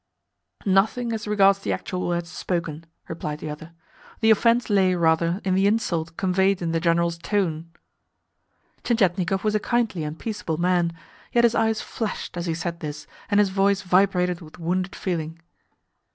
"Nothing, as regards the actual words spoken," replied the other. "The offence lay, rather, in the insult conveyed in the General's tone." Tientietnikov was a kindly and peaceable man, yet his eyes flashed as he said this, and his voice vibrated with wounded feeling.